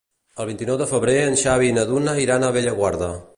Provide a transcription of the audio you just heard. El vint-i-nou de febrer en Xavi i na Duna iran a Bellaguarda.